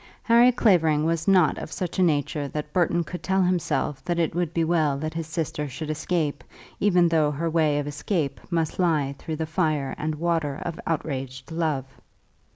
Harry Clavering was not of such a nature that Burton could tell himself that it would be well that his sister should escape even though her way of escape must lie through the fire and water of outraged love.